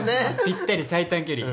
ぴったり最短距離。